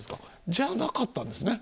じゃなかったんですね。